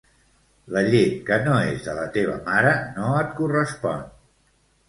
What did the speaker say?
La llet que no és de la teva mare no et correspon